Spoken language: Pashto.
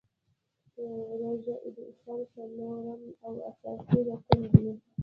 روژه د اسلام څلورم او اساسې رکن دی .